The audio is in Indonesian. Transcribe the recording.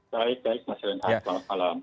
baik baik mas renhat selamat malam